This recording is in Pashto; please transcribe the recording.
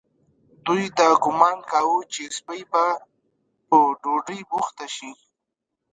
دوی دا ګومان کاوه چې سپۍ به په ډوډۍ بوخته شي.